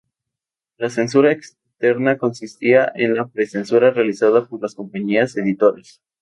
La censura externa consistía en la pre-censura realizada por las compañías editoras.